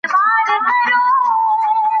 هر څه بايد مستند وي.